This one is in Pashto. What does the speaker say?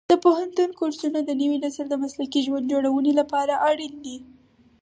د پوهنتون کورسونه د نوي نسل د مسلکي ژوند جوړونې لپاره اړین دي.